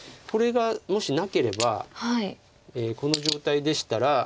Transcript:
これがもしなければこの状態でしたら。